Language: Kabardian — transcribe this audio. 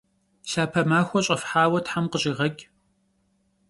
Lhape maxue ş'efhaue them khış'iğeç'!